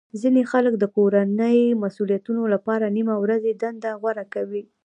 ځینې خلک د کورنۍ مسولیتونو لپاره نیمه ورځې دنده غوره کوي